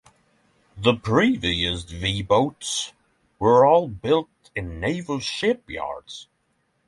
The previous V-boats were all built in naval shipyards.